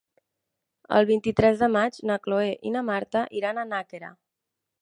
El vint-i-tres de maig na Cloè i na Marta iran a Nàquera.